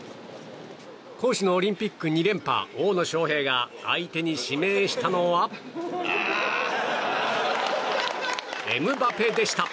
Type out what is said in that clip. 講師のオリンピック２連覇大野将平が相手に指名したのはエムバペでした。